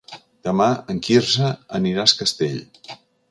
Demà en Quirze anirà a Es Castell.